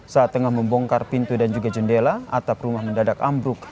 saat tengah membongkar pintu dan juga jendela atap rumah mendadak ambruk